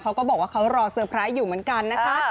เขาก็บอกว่าเขารอเซอร์ไพรส์อยู่เหมือนกันนะคะ